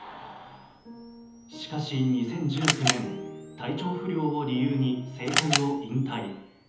しかし、２０１９年、体調不良を理由に政界を引退。